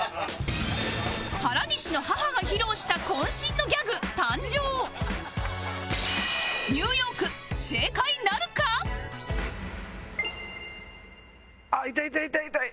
原西の母が披露した渾身のギャグ「誕生」ああ痛い痛い痛い痛い。